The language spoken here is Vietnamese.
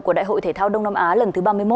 của đại hội thể thao đông nam á lần thứ ba mươi một